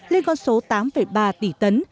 lên con số tám ba tỷ tấn